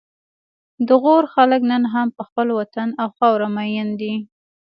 د غور خلک نن هم په خپل وطن او خاوره مین دي